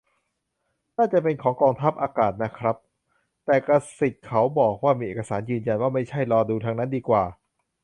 น่าจะเป็นของกองทัพอากาศนะครับ แต่กษิตเขาบอกว่ามีเอกสารยืนยันว่าไม่ใช่ รอดูทางนั้นดีกว่า